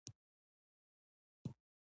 غریب د انصاف تږی وي